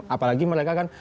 apalagi mereka kan